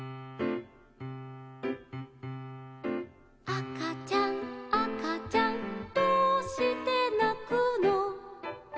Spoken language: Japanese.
「あかちゃんあかちゃんどうしてなくの」